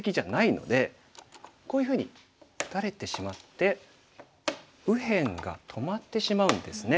こういうふうに打たれてしまって右辺が止まってしまうんですね。